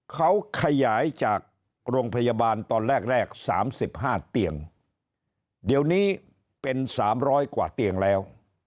เขาขยายจากโรงพยาบาลตอนแรกแรก๓๕เตียงเดี๋ยวนี้เป็น๓๐๐กว่าเตียงแล้ว